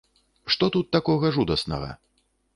Што тут такога жудаснага?